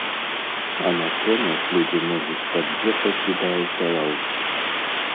А на конях людзі могуць пад'ехаць і да аўталаўкі.